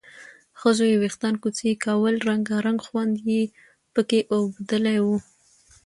ښځو یې وېښتان کوڅۍ کول، رنګارنګ ځونډي یې پکې اوبدلي وو